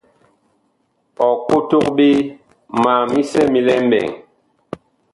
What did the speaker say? Ɔ kotog ɓe ma misɛ mi lɛ mɓɛɛŋ.